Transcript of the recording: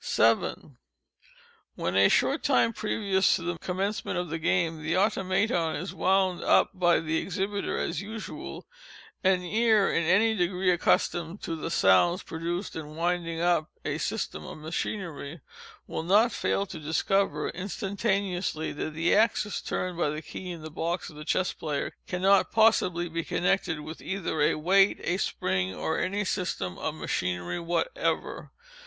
7. When, a short time previous to the commencement of the game, the Automaton is wound up by the exhibiter as usual, an ear in any degree accustomed to the sounds produced in winding up a system of machinery, will not fail to discover, instantaneously, that the axis turned by the key in the box of the Chess Player, cannot possibly be connected with either a weight, a spring, or any system of machinery whatever.